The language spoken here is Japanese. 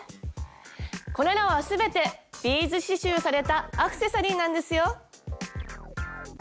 これらは全てビーズ刺しゅうされたアクセサリーなんですよ。